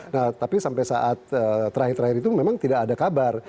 nah tapi sampai saat terakhir terakhir itu memang tidak ada kabar